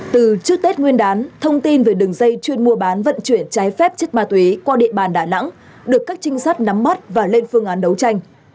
từ trước tết nguyên đán thông tin về đường dây chuyên mua bán vận chuyển trái phép chất ma túy qua địa bàn đà nẵng được các trinh sát nắm bắt và lên phương án đấu tranh